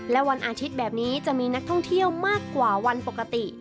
และวันอาทิตย์แบบนี้จะมีนักท่องเที่ยวมากกว่าวันปกติ